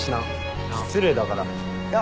失礼だから。